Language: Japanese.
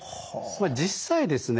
まあ実際ですね